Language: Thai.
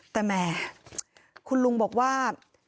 แต่แหมคุณลุงบอกว่า